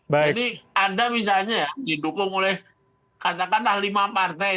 jadi anda misalnya didukung oleh katakanlah lima partai